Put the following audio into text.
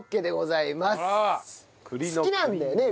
好きなんだよね？